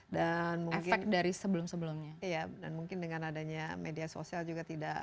mungkin dari sebelum sebelumnya dan mungkin dengan adanya media sosial juga tidak